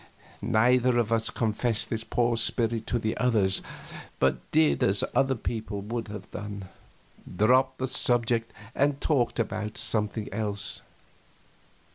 Neither of us confessed this poor spirit to the others, but did as other people would have done dropped the subject and talked about something else.